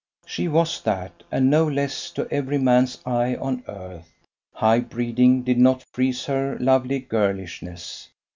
She was that, and no less, to every man's eye on earth. High breeding did not freeze her lovely girlishness.